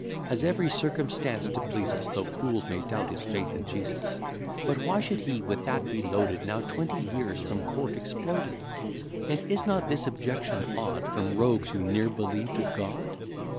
Has every circumstance to please us, Though fools may doubt his faith in Jesus. But why should he with that be loaded, Now twenty years from court exploded? And is not this objection odd From rogues who ne'er believed a God?